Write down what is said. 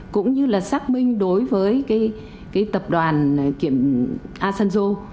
cũng như là xác minh đối với cái tập đoàn kiểm asanjo